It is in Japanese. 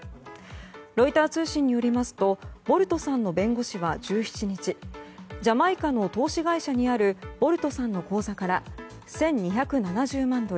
ロイター通信によりますとボルトさんの弁護士は１７日ジャマイカの投資会社にあるボルトさんの口座から１２７０万ドル